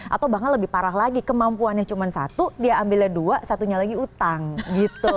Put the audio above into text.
atau bahkan lebih parah lagi kemampuannya cuma satu dia ambilnya dua satunya lagi utang gitu